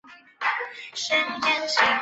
在平面上的正方形格被填上黑色或白色。